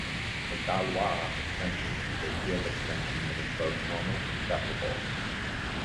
A Galois extension is a field extension that is both normal and separable.